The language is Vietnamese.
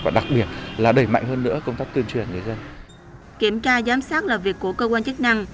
và đặc biệt là đẩy mạnh hơn nữa công tác tuyên truyền người dân